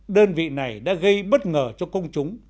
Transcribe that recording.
đơn vị này đã gây bất ngờ cho công chúng